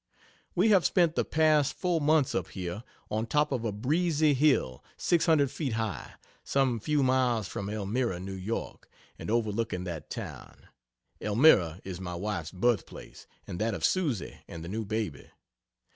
We have spent the past four months up here on top of a breezy hill, six hundred feet high, some few miles from Elmira, N. Y., and overlooking that town; (Elmira is my wife's birthplace and that of Susie and the new baby).